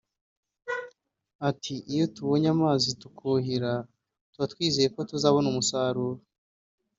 ati “Iyo tubonye amazi tukuhira tuba twizeye ko tuzabona umusaruro